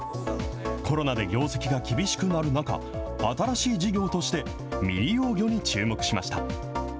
コロナで業績が厳しくなる中、新しい事業として未利用魚に注目しました。